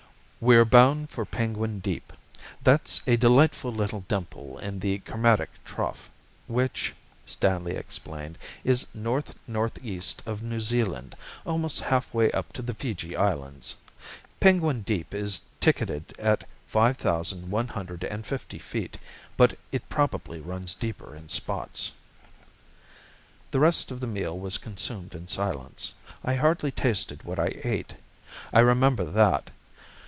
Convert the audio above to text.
"We're bound for Penguin Deep. That's a delightful little dimple in the Kermadec Trough, which," Stanley explained, "is north northeast of New Zealand almost halfway up to the Fiji Islands. Penguin Deep is ticketed at five thousand one hundred and fifty feet, but it probably runs deeper in spots." The rest of the meal was consumed in silence. I hardly tasted what I ate; I remember that.